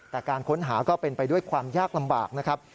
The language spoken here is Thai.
แต่การค้นหาก็เป็นไปด้วยความยากลำบากนะครับ